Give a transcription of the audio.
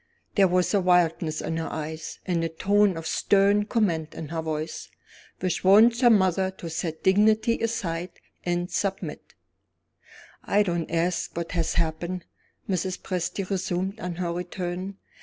There was a wildness in her eyes, and a tone of stern command in her voice, which warned her mother to set dignity aside, and submit. "I don't ask what has happened," Mrs. Presty resumed on her return.